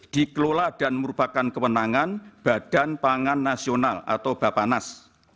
dikelola dan merupakan kewenangan badan pangan nasional atau bapanas